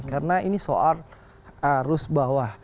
karena ini soal arus bawah